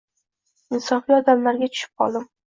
Insofli odamlarga tushib qoldim